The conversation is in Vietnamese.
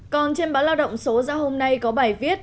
còn trên bã lao động số dạo hôm nay có bài viết